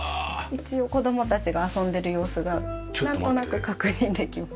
一応子供たちが遊んでる様子がなんとなく確認できます。